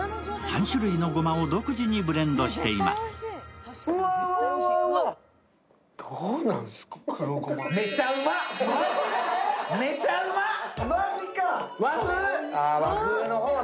３種類のごまを独自にブレンドしています。